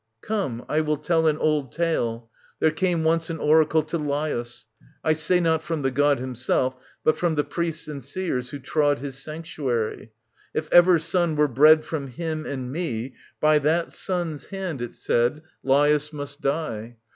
Come, I will tell An old tale. There came once an oracle To Laius : I say not from the God Himself, but from the priests and seers who trod His sanctuary : if ever son were bred From him and me, by that son's hand, it said, 41 SOPHOCLES vv. 714 732 Lai'us must die.